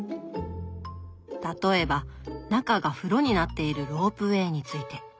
例えば中が風呂になっているロープウエーについて。